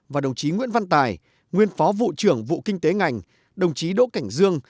và đồng chí nguyễn văn tài nguyên phó vụ trưởng vụ kinh tế ngành đồng chí đỗ cảnh dương